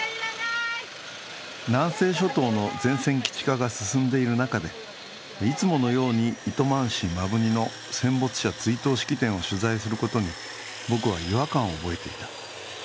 南西諸島の前線基地化が進んでいる中でいつものように糸満市摩文仁の戦没者追悼式典を取材することに僕は違和感を覚えていた。